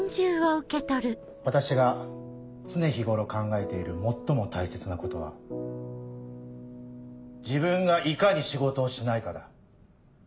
私が常日頃考えている最も大切なことは自分がいかに仕事をしないかだ。